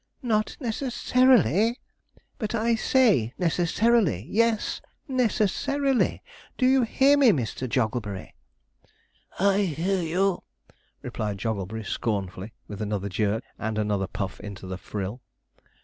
'Not necessarily! but I say necessarily yes, necessarily. Do you hear me, Mr. Jogglebury?' 'I hear you,' replied Jogglebury scornfully, with another jerk, and another puff into the frill.